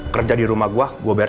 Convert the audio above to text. kerja di rumah gue gue bayar